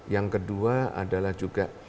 yang kedua adalah juga